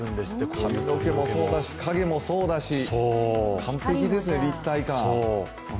髪の毛もそうだし、影もそうだし完璧ですね、立体感。